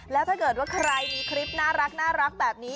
แล้วถ้าเกิดว่าใครมีคลิปน่ารักแบบนี้